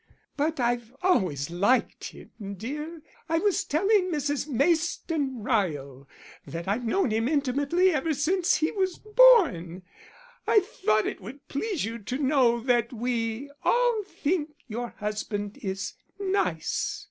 But I've always liked him, dear. I was telling Mrs. Mayston Ryle that I've known him intimately ever since he was born. I thought it would please you to know that we all think your husband is nice."